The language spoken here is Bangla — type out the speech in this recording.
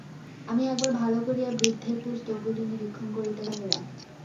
আমি একবার ভালো করিয়া বৃদ্ধের পুস্তকগুলি নিরীক্ষণ করিতে লাগিলাম।